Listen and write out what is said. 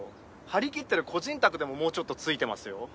張り切ってる個人宅でももうちょっとついてますよ。